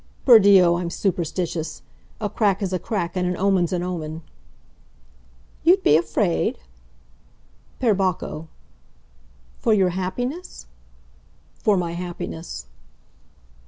"Per Dio, I'm superstitious! A crack is a crack and an omen's an omen." "You'd be afraid ?" "Per Bacco!" "For your happiness?" "For my happiness."